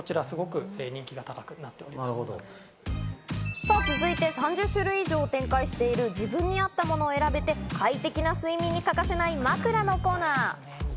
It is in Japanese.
さぁ、続いて３０種類以上展開している自分に合ったものを選べて快適な睡眠に欠かせない枕のコーナー。